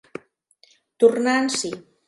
Tornar en si.